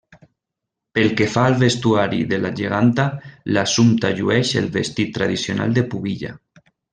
Pel que fa al vestuari de la geganta, l'Assumpta llueix el vestit tradicional de pubilla.